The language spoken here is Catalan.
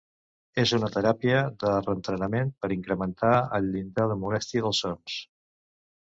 És una teràpia de reentrenament per incrementar el llindar de molèstia dels sons.